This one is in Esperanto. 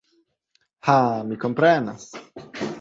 Ha, mi komprenas.